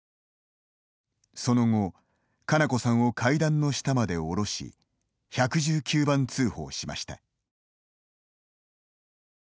その後、佳菜子さんを階段の下まで降ろし１１９番通報しました。